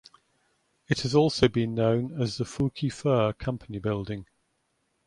It has also been known as the Fouke Fur Company Building.